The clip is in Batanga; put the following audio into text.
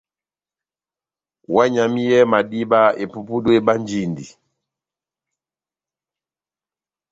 Ohányamiyɛhɛ madíba, epupudu ebánjindi.